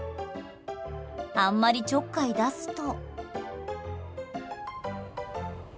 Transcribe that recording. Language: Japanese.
あんまりちょっかい出すと。